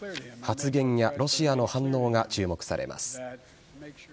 発言やロシアの反応が注目されます。